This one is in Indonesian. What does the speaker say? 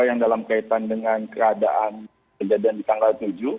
yang dalam kaitan dengan keadaan kejadian di tanggal tujuh